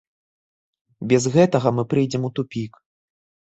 Без гэтага мы прыйдзем у тупік.